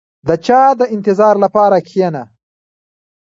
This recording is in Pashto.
• د چا د انتظار لپاره کښېنه.